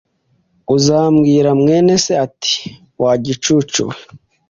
uzabwira mwene se ati ‘Wa gicucu we